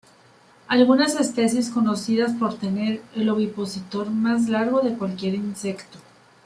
Algunas especies conocidas por tener el ovipositor más largo de cualquier insecto.